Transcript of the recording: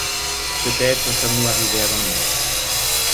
Peut-être sommes-nous arrivés avant lui!